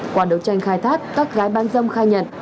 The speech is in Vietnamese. qua đấu tranh khai thác các gái bán dâm khai nhận